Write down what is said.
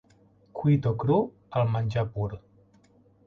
Cuit o cru, el menjar pur.